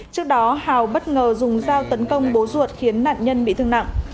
trước đó hào bất ngờ dùng dao tấn công bố ruột khiến nạn nhân bị thương nặng